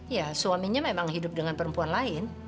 ya suaminya memang hidup dengan perempuan lain